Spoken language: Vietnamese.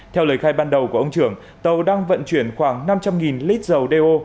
theo lời khai ban đầu của ông trưởng tàu đang vận chuyển khoảng năm trăm linh lít dầu đeo